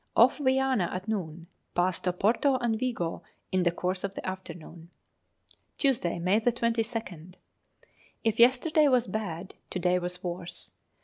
Off Viana at noon. Passed Oporto and Vigo in the course of the afternoon. Tuesday, May 22nd. If yesterday was bad, to day was worse.